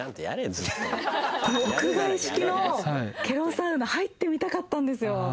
屋外式のケロサウナ入ってみたかったんですよああ